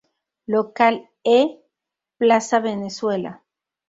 Local "E", Plaza Venezuela.